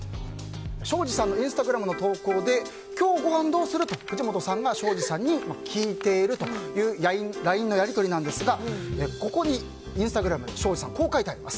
庄司さんのインスタグラムの投稿で「今日ご飯どーする？」と藤本さんが庄司さんに聞いているというＬＩＮＥのやり取りですがここにインスタグラムに庄司さん、こう書いています。